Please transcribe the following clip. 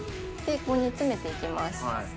ここに詰めて行きます。